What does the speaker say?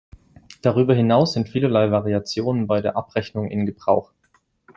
Darüber hinaus sind vielerlei Variationen bei der Abrechnung in Gebrauch.